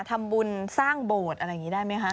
ทำบุญสร้างโบสถ์อะไรอย่างนี้ได้ไหมคะ